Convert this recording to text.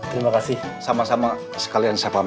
terima kasih sama sama sekalian saya pahami